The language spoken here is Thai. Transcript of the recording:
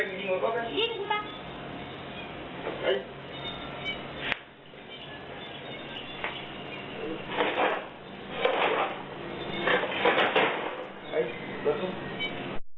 กลายแล้ว